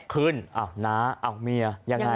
ขึ้นน้าเอามียยังไง